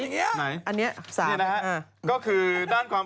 นี่นะฮะก็คือด้านความ